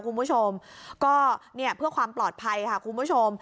คุณผู้ชมก็เนี่ยเพื่อความปลอดภัยค่ะคุณผู้ชม